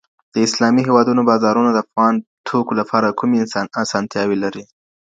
د اسلامي هېوادونو بازارونه د افغان توکو لپاره کومې اسانتیاوې لري؟